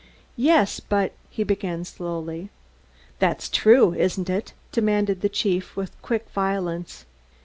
"Yes, but " he began slowly. "That's true, isn't it?" demanded the chief, with quick violence.